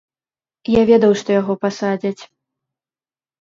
Я ведаў, што яго пасадзяць.